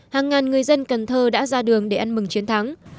hàng ngàn người dân cần thơ đã ra đường để ăn mừng chiến thắng